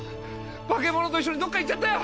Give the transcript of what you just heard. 化け物と一緒にどっか行っちゃったよ。